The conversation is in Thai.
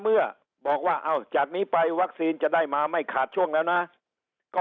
เมื่อบอกว่าเอาจากนี้ไปวัคซีนจะได้มาไม่ขาดช่วงแล้วนะก็